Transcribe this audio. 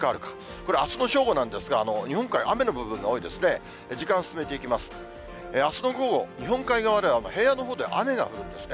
これ、あすの正午なんですが、日本海、雨の部分が多いですね。